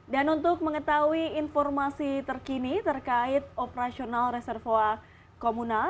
dan untuk mengetahui informasi terkini terkait operasional reservoir komunal